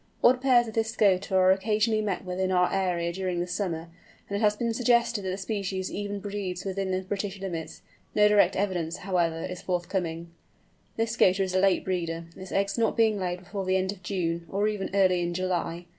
Odd pairs of this Scoter are occasionally met with in our area during the summer, and it has been suggested that the species even breeds within the British limits; no direct evidence, however, is forthcoming. This Scoter is a late breeder, its eggs not being laid before the end of June, or even early in July.